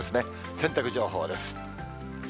洗濯情報です。